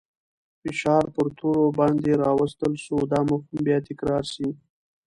فشار پر تورو باندې راوستل سو. دا مفهوم به بیا تکرار سي.